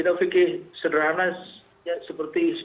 tapi sebenarnya begini pak